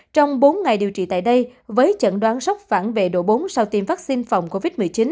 trong bốn ngày điều trị tại đây với chẩn đoán sốc phản vệ độ bốn sau tiêm vaccine phòng covid một mươi chín